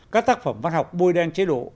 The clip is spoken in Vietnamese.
các tác phẩm văn học bôi đen chế độ